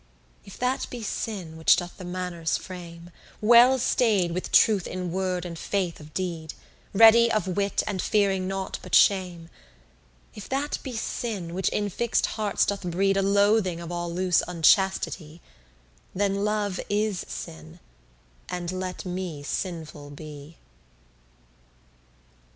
If that be sin which doth the manners frame, Well stayed with truth in word and faith of deed, Ready of wit and fearing nought but shame: If that be sin which in fix'd hearts doth breed A loathing of all loose unchastity, Then love is sin, and let me sinful be.